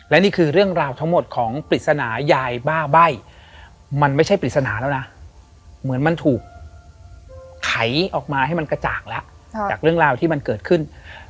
และนี่คือเรื่องราวทั้งหมดของปริศนายายบ้าใบ้มันไม่ใช่ปริศนาแล้วนะเหมือนมันถูกไขออกมาให้มันกระจ่างแล้วจากเรื่องราวที่มันเกิดขึ้น